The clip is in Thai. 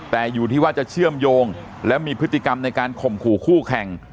แต่อยู่ที่ว่าจะเชื่อมโยงและมีพฤติกรรมในการข่มขู่คู่แข่ง